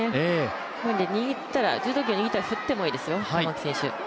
柔道着を握ったら振ってもいいですよ、玉置選手。